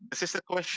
ini adalah pertanyaan